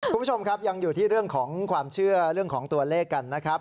คุณผู้ชมครับยังอยู่ที่เรื่องของความเชื่อเรื่องของตัวเลขกันนะครับ